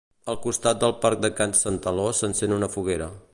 Al costat del Parc de Can Santaló s'encén una foguera.